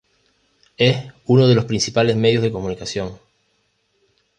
Es uno de los principales medios de comunicación.